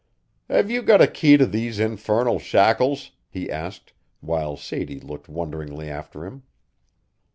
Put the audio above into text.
"Have you got a key to these infernal shackles?" he asked, while Sadie looked wonderingly after him.